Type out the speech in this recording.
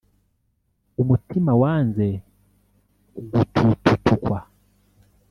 Umutima wanze gutututukwa